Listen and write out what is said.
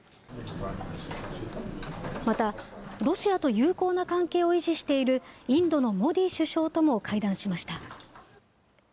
またロシアと友好な関係を維持しているインドのモディ首相とも会談しました。